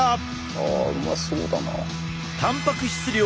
あうまそうだな！